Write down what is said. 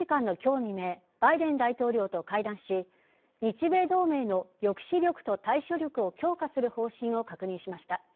未明バイデン大統領と会談し日米同盟の抑止力と対処力を強化する方針を確認しました。